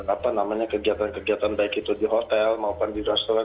apa namanya kegiatan kegiatan baik itu di hotel maupun di restoran